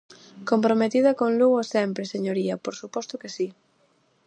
Comprometida con Lugo sempre, señoría, por suposto que si.